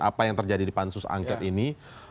apa yang terjadi di pansus angket ini